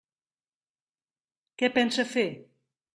Què pensa fer?